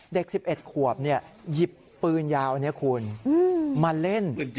เด็ก๑๑ขวบหยิบปืนยาวนี้คุณมาเล่น